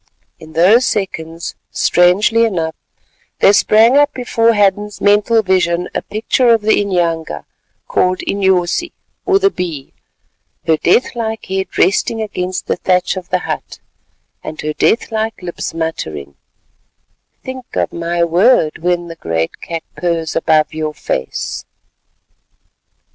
In those seconds, strangely enough, there sprang up before Hadden's mental vision a picture of the inyanga called Inyosi or the Bee, her death like head resting against the thatch of the hut, and her death like lips muttering "think of my word when the great cat purrs above your face."